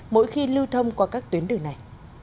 mỗi khi lưu thông qua các tuyến đường này